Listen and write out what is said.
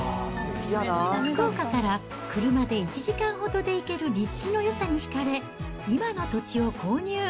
福岡から車で１時間ほどで行ける立地のよさに引かれ、今の土地を購入。